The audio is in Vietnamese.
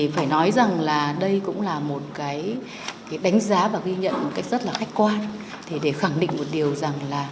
phải nói rằng đây cũng là một đánh giá và ghi nhận rất khách quan để khẳng định một điều rằng